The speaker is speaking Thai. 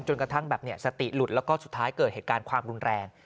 กระทั่งแบบสติหลุดแล้วก็สุดท้ายเกิดเหตุการณ์ความรุนแรง